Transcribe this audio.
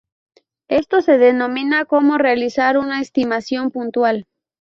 Esto se denomina como realizar una estimación puntual.